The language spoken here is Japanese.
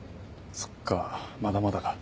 そっかまだまだか。